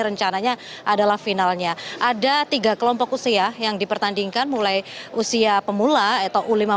rencananya adalah finalnya ada tiga kelompok usia yang dipertandingkan mulai usia pemula atau u lima belas